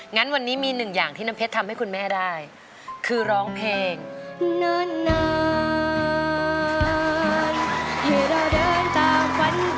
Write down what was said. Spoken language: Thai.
งั้นวันนี้มีหนึ่งอย่างที่น้ำเพชรทำให้คุณแม่ได้คือร้องเพลงนาน